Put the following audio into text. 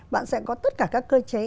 bạn sẽ có tất cả các cơ chế